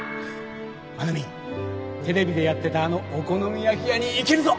真奈美テレビでやってたあのお好み焼き屋に行けるぞ